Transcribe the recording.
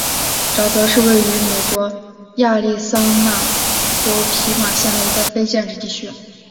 沼泽是位于美国亚利桑那州皮马县的一个非建制地区。